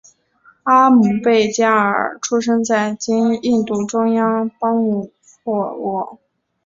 阿姆倍伽尔出生在今印度中央邦姆霍沃。